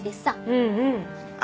うんうん。